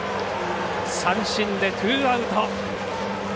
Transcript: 三振でツーアウト。